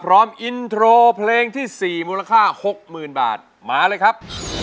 พร้อมอินโทรเพลงที่สี่มูลค่าหกหมื่นบาทมาเลยครับ